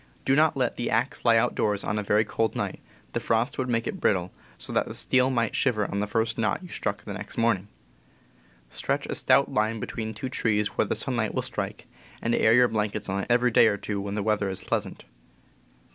Do not let the axe lie outdoors on a very cold night; the frost would make it brittle, so that the steel might shiver on the first knot you struck the next morning. Stretch a stout line between two trees where the sun light will strike, and air your blankets on it every day or two when the weather is pleasant.